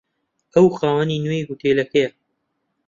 ئەو خاوەنی نوێی هۆتێلەکەیە.